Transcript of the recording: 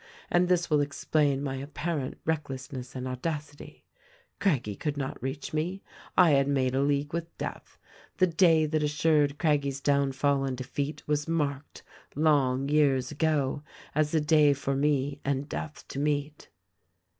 And this will explain my apparent recklessness and audacity. Craggie could not reach me : I had made a league with Death. The day that assured Craggie's downfall and defeat was marked, long years ago, as the day for me and Death to meet.